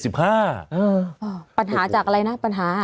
ปัญหาจากอะไรนะปัญหา